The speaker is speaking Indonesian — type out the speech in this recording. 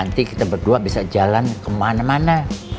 nanti kita berdua bisa jalan kemana mana